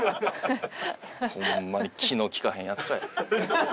ホンマに気の利かへんヤツらや。